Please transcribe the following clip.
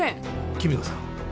君香さん